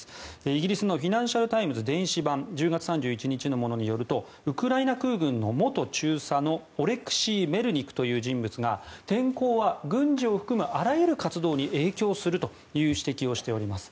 イギリスのフィナンシャル・タイムズ電子版１１月３１日のものによるとウクライナ空軍の元中佐のオレクシー・メルニク氏という人物が天候は軍事を含むあらゆる活動に影響するという指摘をしております。